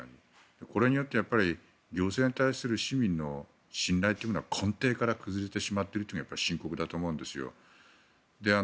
これによってやっぱり行政に対する市民の信頼が根底から崩れてしまったというのが深刻だと思うんですよ。